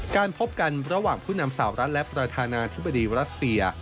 การพบกันระหว่างผู้นำสาวรัฐและประธานาธิบดีรัสเซีย